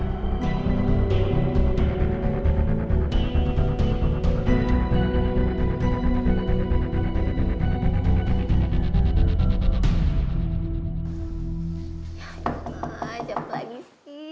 ya tuhan siapa lagi sih